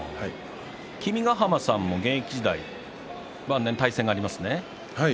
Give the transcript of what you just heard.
君ヶ濱さんも現役時代何度か対戦がありますね。